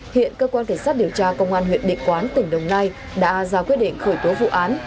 hiện cơ quan cảnh sát điều tra công an huyện địa quán tỉnh đồng nai đã ra quyết định khởi tố vụ án